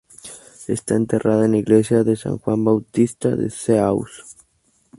Está enterrada en la iglesia de San Juan Bautista de Sceaux.